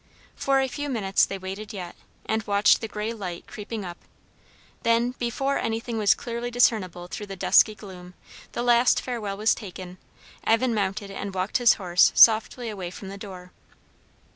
For a few minutes they waited yet, and watched the grey light creeping up; then, before anything was clearly discernible through the dusky gloom, the last farewell was taken; Evan mounted and walked his horse softly away from the door.